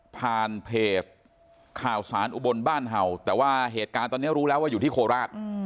ผ่านเพจข่าวสารอุบลบ้านเห่าแต่ว่าเหตุการณ์ตอนนี้รู้แล้วว่าอยู่ที่โคราช